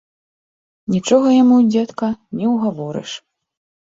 Нічога яму, дзедка, не ўгаворыш.